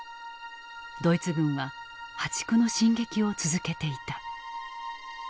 ドイツ軍は破竹の進撃を続けていた。